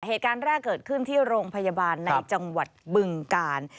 เหตุการณ์แรกเกิดขึ้นที่โรงพยาบาลในจังหวัดบึงกาล